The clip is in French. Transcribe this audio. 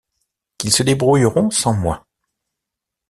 Qu’ils se débrouilleront sans moi.